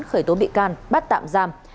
khởi tố bị can bắt tạm giam